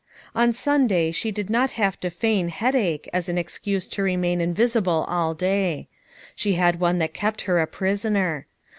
On Sunday bIio did not bavo to feign head ache an an oxcubo to remain invisible all day; Bbo bad one that kopt her a priHoner.